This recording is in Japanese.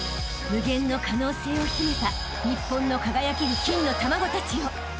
［無限の可能性を秘めた日本の輝ける金の卵たちよ］